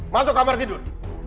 masuk kamar tidur